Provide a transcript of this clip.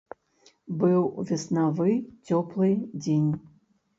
Быў веснавы цёплы дзень.